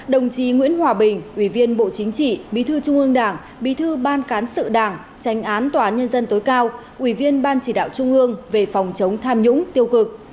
đồng chí nguyễn hòa bình ủy viên bộ chính trị bí thư trung ương đảng bí thư ban cán sự đảng tránh án tòa án nhân dân tối cao ủy viên ban chỉ đạo trung ương về phòng chống tham nhũng tiêu cực